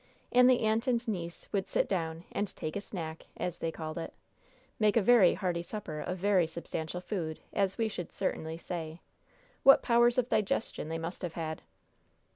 And the aunt and niece would sit down and "take a snack," as they called it make a very hearty supper of very substantial food, as we should certainly say. What powers of digestion they must have had!